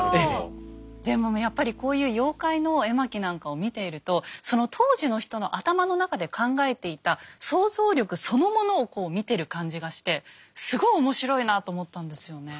でもやっぱりこういう妖怪の絵巻なんかを見ているとその当時の人の頭の中で考えていた想像力そのものをこう見てる感じがしてすごい面白いなと思ったんですよね。